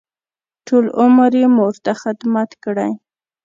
ټول عمر یې مور ته خدمت کړی.